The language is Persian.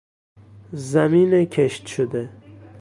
زمین کشت شده